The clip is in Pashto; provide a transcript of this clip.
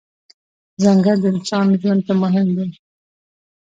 ځنګل د انسان ژوند ته مهم دی.